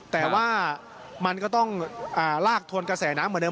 แต่ว่ามันก็ต้องลากทวนกระแสน้ำเหมือนเดิ